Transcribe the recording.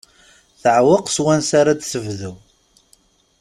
Teɛweq s wansa ara d-tebdu.